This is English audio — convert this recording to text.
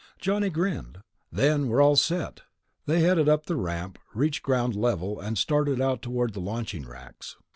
Johnny grinned. "Then we're all set." They headed up the ramp, reached ground level, and started out toward the launching racks.